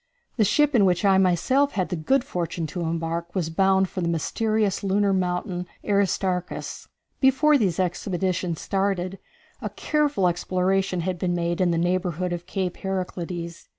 The ship in which I, myself, had the good fortune to embark, was bound for the mysterious lunar mountain Aristarchus. Before these expeditions started, a careful exploration had been made in the neighborhood of Cape Heraclides.